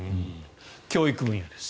教育分野です。